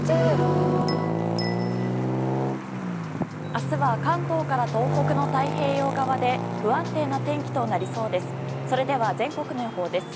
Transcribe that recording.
明日は関東から東北の太平洋側で不安定な天気となりそうです。